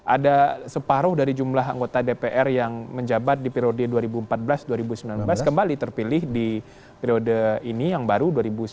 ada separuh dari jumlah anggota dpr yang menjabat di periode dua ribu empat belas dua ribu sembilan belas kembali terpilih di periode ini yang baru dua ribu sembilan belas dua ribu sembilan